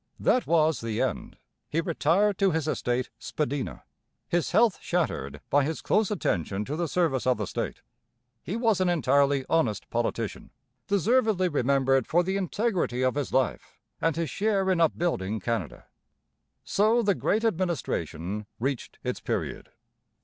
That was the end. He retired to his estate 'Spadina,' his health shattered by his close attention to the service of the state. He was an entirely honest politician, deservedly remembered for the integrity of his life and his share in upbuilding Canada. So the Great Administration reached its period.